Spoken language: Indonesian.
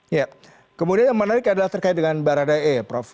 iya kemudian yang menarik adalah terkait dengan baradai e prof